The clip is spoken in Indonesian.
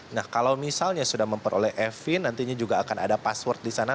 nah kalau misalnya sudah memperoleh efin nantinya juga akan ada password di sana